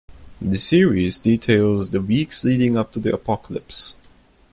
The series details the weeks leading up to the Apocalypse.